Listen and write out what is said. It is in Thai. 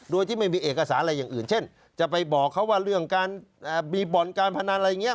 โดยที่ไม่มีเอกสารอะไรอย่างอื่นเช่นจะไปบอกเขาว่าเรื่องการมีบ่อนการพนันอะไรอย่างนี้